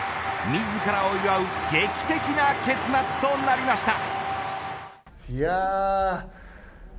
自らを祝う、劇的な結末となりました。